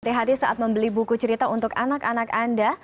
thd saat membeli buku cerita untuk anak anak anda